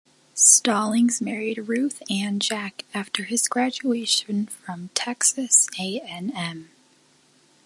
Stallings married Ruth Ann Jack after his graduation from Texas A and M.